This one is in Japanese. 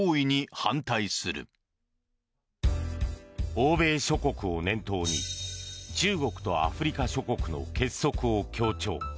欧米諸国を念頭に中国とアフリカ諸国の結束を強調。